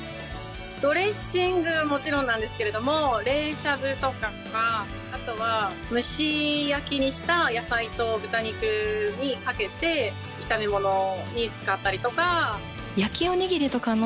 ドレッシングももちろんなんですけれども冷しゃぶとかあとは、蒸し焼きにした野菜と豚肉にかけて炒め物に使ったりとか。